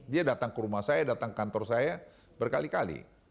dia datang ke rumah saya datang kantor saya berkali kali